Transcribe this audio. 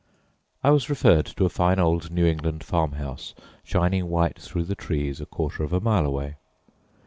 I was referred to a fine old New England farm house shining white through the trees a quarter of a mile away.